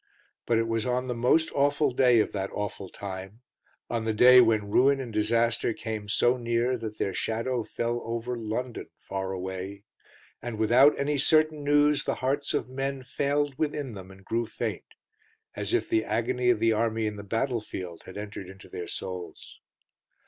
But it was on the most awful day of that awful time, on the day when ruin and disaster came so near that their shadow fell over London far away; and, without any certain news, the hearts of men failed within them and grew faint; as if the agony of the army in the battlefield had entered into their souls.